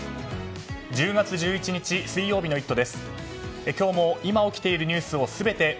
１０月１１日水曜日の「イット！」